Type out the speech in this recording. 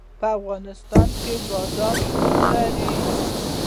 په افغانستان کې بادام شتون لري.